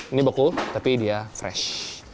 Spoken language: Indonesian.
ini bekul tapi dia fresh